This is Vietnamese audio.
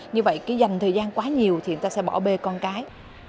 như vậy cái dành thời gian quá nhiều thì người ta sẽ bỏ bê con cái